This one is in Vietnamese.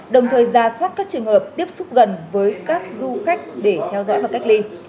đồng thời ra soát các trường hợp tiếp xúc gần với các du khách để theo dõi và cách ly